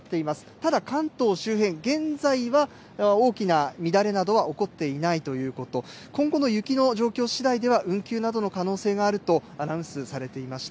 ただ、関東周辺、現在は大きな乱れなどは起こっていないということ、今後の雪の状況しだいでは、運休などの可能性があるとアナウンスされていました。